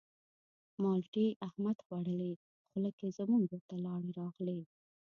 مالټې احمد خوړلې خوله کې زموږ ورته لاړې راغلې.